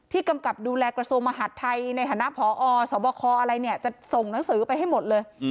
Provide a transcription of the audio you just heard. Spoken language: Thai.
ที่กำกับดูแลกระทรวมมหาดไทยในฐานะพอสบคจะส่งหนังสือไปให้หมดเลย